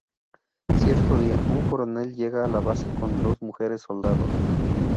Cierto día, un coronel llega a la base con dos mujeres soldados.